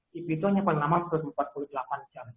kipi itu hanya paling lama empat puluh delapan jam